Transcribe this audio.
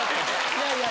いやいや。